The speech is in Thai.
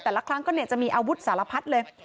แต่ละครั้งก็จะมีอาวุธสารพัดเลย